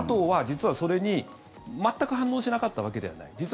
ＮＡＴＯは実はそれに全く反応しなかったわけではない。